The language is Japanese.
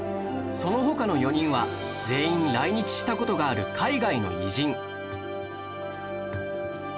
その他の４人は全員来日した事がある海外の偉人